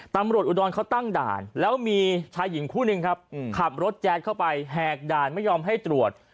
อุดรเขาตั้งด่านแล้วมีชายหญิงคู่หนึ่งครับขับรถแจ๊ดเข้าไปแหกด่านไม่ยอมให้ตรวจ